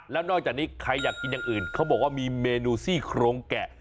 แล้วนอกจากนี้ใครอยากกินอย่างอื่นเขาบอกว่ามีเมนูซี่โครงแกะ